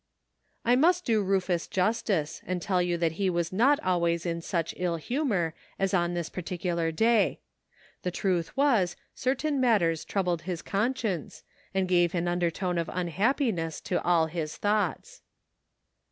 I must do Rufus justice, and tell you that he was not always in such ill humor as on this 66 ''WHAT COULD HAPPEN?'' particular day. The truth was, certain matters troubled his conscience, and gave an undertone of unhappiness to all his thoughts.